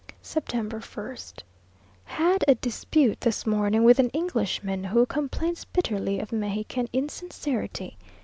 September 1st. Had a dispute this morning with an Englishman, who complains bitterly of Mexican insincerity.